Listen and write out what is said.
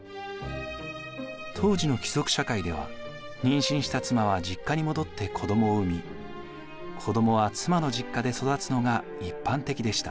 当時の貴族社会では妊娠した妻は実家に戻って子どもを産み子どもは妻の実家で育つのが一般的でした。